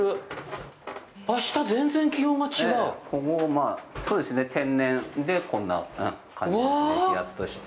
ここ、まあ、そうですね、天然で、こんな感じでひやっとして。